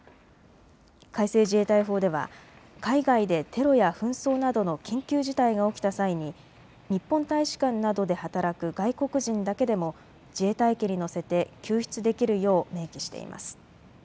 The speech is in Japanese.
改正自衛隊法では海外でテロや紛争などの緊急事態が起きた際に日本大使館などで働く外国人だけでも自衛隊機に乗せて救出できるよう明記しています。